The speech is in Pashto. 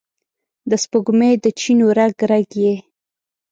د سپوږمۍ د چېنو رګ، رګ یې،